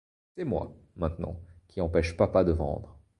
C'est moi, maintenant, qui empêche papa de vendre.